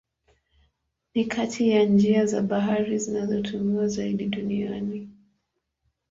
Ni kati ya njia za bahari zinazotumiwa zaidi duniani.